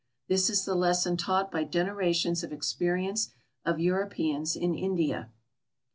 Tliis is the lesson taught by generations of experience of Europeans in India.